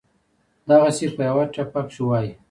دغسې پۀ يوه ټپه کښې وائي: